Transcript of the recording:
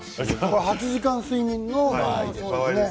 ８時間睡眠の場合ですよね。